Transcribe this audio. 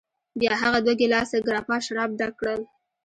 بیا هغه دوه ګیلاسه ګراپا شراب ډک کړل.